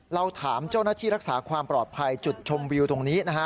เราถามเจ้าหน้าที่รักษาความปลอดภัยจุดชมวิวตรงนี้นะฮะ